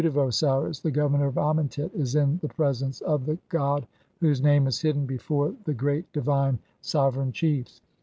'of Osiris, the Governor of Amentet, is in the presence of the 'god whose name is hidden before (12) the great divine so vereign chiefs.